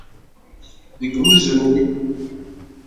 Deg umezruy.